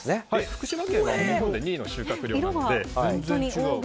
福島県は日本で２位の収穫量なので。